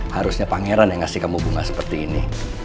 harusnya pangeran yang ngasih kamu bunga seperti ini